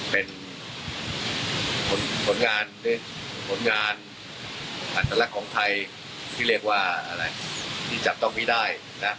เป็นผลงานของไทยที่จะต้องมีได้